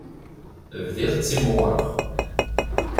Bdiɣ ttimɣureɣ.